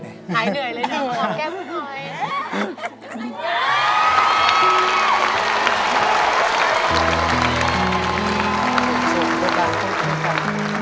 หายเหนื่อยเลยหนูหอมแก้มหน่อย